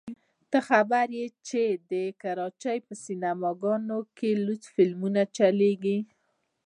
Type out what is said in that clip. ته خبر يې چې د کراچۍ په سينما ګانو کښې لوڅ فلمونه چلېږي.